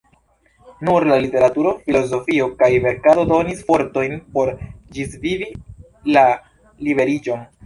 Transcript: Nur la literaturo, filozofio kaj verkado donis fortojn por ĝisvivi la liberiĝon.